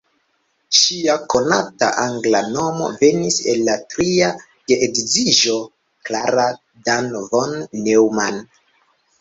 Ŝia konata angla nomo venis el la tria geedziĝo: "Klara Dan von Neumann".